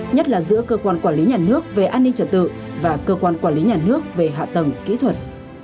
nhất là giữa cơ quan quản lý nhà nước về an ninh trật tự và cơ quan quản lý nhà nước về hạ tầng kỹ thuật